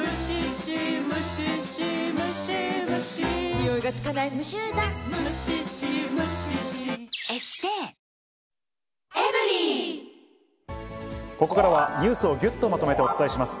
ニトリここからは、ニュースをぎゅっとまとめてお伝えします。